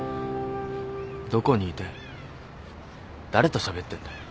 どこにいて誰としゃべってんだよ。